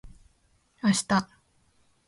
明日